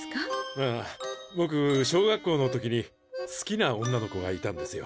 ああぼく小学校の時に好きな女の子がいたんですよ。